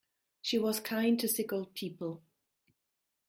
She was kind to sick old people.